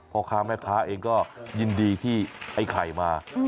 พ่อค้าแม่ค้าเองก็ยินดีที่ไอ้ไข่มา